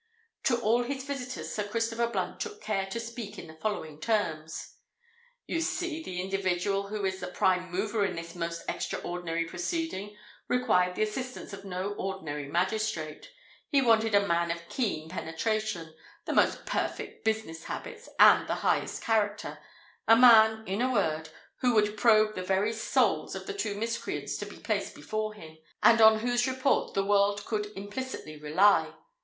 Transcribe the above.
To all his visitors Sir Christopher Blunt took care to speak in the following terms:—"You see, the individual who is the prime mover in this most extraordinary proceeding, required the assistance of no ordinary magistrate. He wanted a man of keen penetration—the most perfect business habits—and of the highest character,—a man, in a word, who would probe the very souls of the two miscreants to be placed before him, and on whose report the world could implicitly rely.